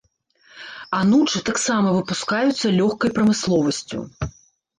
Анучы таксама выпускаюцца лёгкай прамысловасцю.